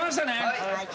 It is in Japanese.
はい。